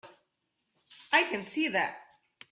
I can see that.